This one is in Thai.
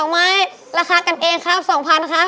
ไม้ราคากันเองครับ๒๐๐๐ครับ